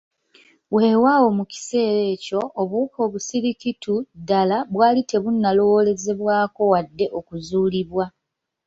Weewaawo mu kiseera ekyo obuwuka obusirikitu ddala bwali tebunnalowoozebwako wadde okuzuulibwa.